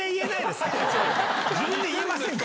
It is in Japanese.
自分で言えませんか？